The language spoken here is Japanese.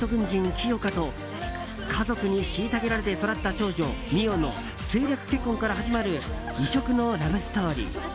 清霞と家族に虐げられて育った少女美世の政略結婚から始まる異色のラブストーリー。